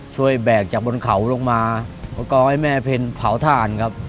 ช่วยแบกจากบนเขาลงมาก็ให้แม่เพลินเผาถ่านครับ